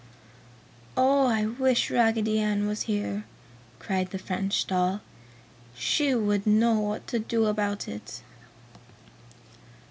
"Oh, I wish Raggedy Ann was here!" cried the French doll. "She would know what to do about it!"